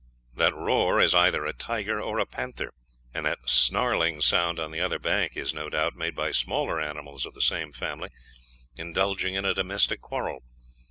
That roar is either a tiger or a panther, and that snarling sound on the other bank is, no doubt, made by smaller animals of the same family, indulging in a domestic quarrel.